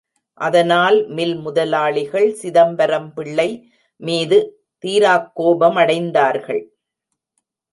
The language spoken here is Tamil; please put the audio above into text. அதனால் மில் முதலாளிகள் சிதம்பரம் பிள்ளை மீது தீராக் கோபமடைந்தார்கள்.